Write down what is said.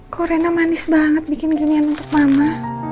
kok rena manis banget bikin ginian untuk mama